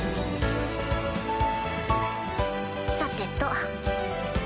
さてと。